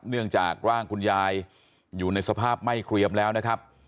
เนื่องจากร่างคุณยายอยู่ในสภาพไม่เกรียมแล้วนะครับ